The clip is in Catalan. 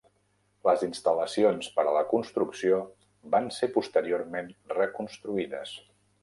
Les instal·lacions per a la construcció van ser posteriorment reconstruïdes.